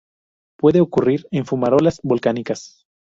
Puede ocurrir en fumarolas volcánicas.